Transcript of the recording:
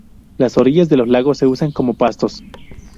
Las orillas de los lagos se usan como pastos.